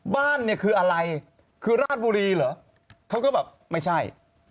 บ้านเนี่ยคืออะไรคือราชบุรีเหรอเขาก็แบบไม่ใช่